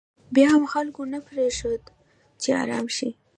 بیا هم خلکو نه پرېښوده چې ارام شي.